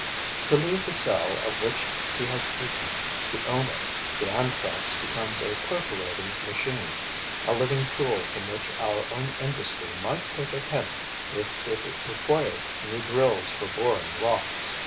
To leave the cell of which he has eaten the owner, the Anthrax becomes a perforating machine, a living tool from which our own industry might take a hint if it required new drills for boring rocks.